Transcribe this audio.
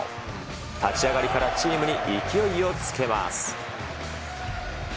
立ち上がりからチームに勢いをつけます。